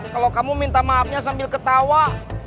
kalau kamu minta maafnya sambil ketawa